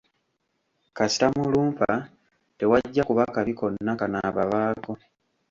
Kasita mulumpa tewajja kuba kabi konna kanaababaako.